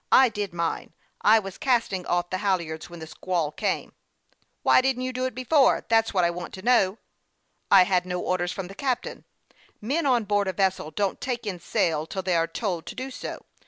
I did mine. I was casting off the hal yards when the squall came." " Why didn't you do it before ? That's what I want to know." " I had no orders from the captain. Men on board a vessel don't take in sail till they are told to do so.